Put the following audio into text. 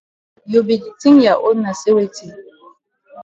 You be di tink ya own na say weti?